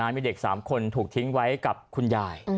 มีเด็ก๓คนถูกทิ้งไว้กับคุณยาย